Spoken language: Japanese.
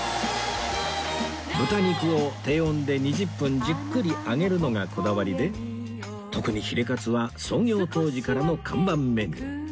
豚肉を低温で２０分じっくり揚げるのがこだわりで特にヒレかつは創業当時からの看板メニュー